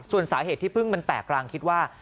ส่วนสาเหตุที่พึ่งมันแตกรังคิดว่า